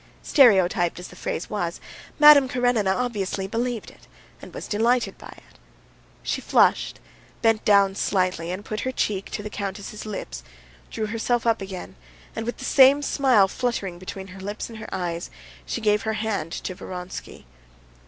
Stereotyped as the phrase was, Madame Karenina obviously believed it and was delighted by it. She flushed, bent down slightly, and put her cheek to the countess's lips, drew herself up again, and with the same smile fluttering between her lips and her eyes, she gave her hand to Vronsky.